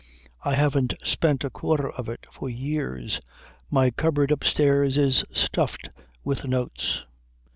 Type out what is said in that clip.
I haven't spent a quarter of it for years. My cupboard upstairs is stuffed with notes."